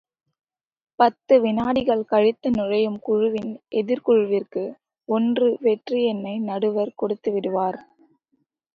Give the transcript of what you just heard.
பத்து வினாடிகள் கழித்து நுழையும் குழுவின் எதிர்க்குழுவிற்கு ஒன்று வெற்றி எண்ணை நடுவர் கொடுத்து விடுவார்.